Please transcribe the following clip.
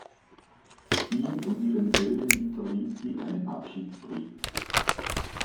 Ihm und ihren Söhnen hinterließ sie einen Abschiedsbrief.